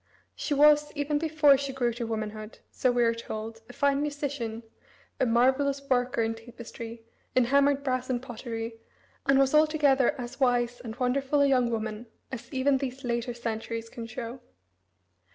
She was, even before she grew to womanhood, so we are told, a fine musician, a marvellous worker in tapestry, in hammered brass and pottery, and was altogether as wise and wonderful a young woman as even these later centuries can show.